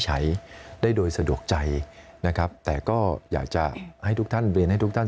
ใช้ได้โดยสะดวกใจนะครับแต่ก็อยากจะให้ทุกท่านเรียนให้ทุกท่าน